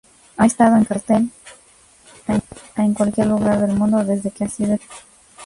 Ha estado en cartel en cualquier lugar del mundo desde que ha sido escrita.